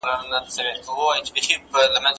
کله نا کله چې ماشومان لوبې وکړي، فشار به زیات نه شي.